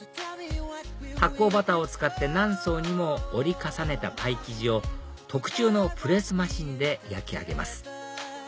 発酵バターを使って何層にも折り重ねたパイ生地を特注のプレスマシンで焼き上げます